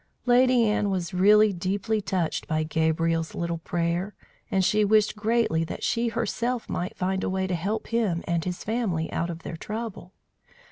Lady Anne was really deeply touched by Gabriel's little prayer, and she wished greatly that she herself might find a way to help him and his family out of their trouble.